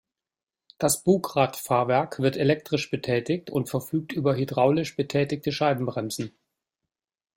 Das Bugradfahrwerk wird elektrisch betätigt und verfügt über hydraulisch betätigte Scheibenbremsen.